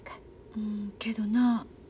うんけどな